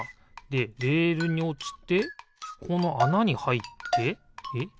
でレールにおちてこのあなにはいってえ？